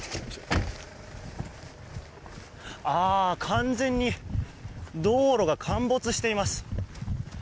完全に道路が陥没しています。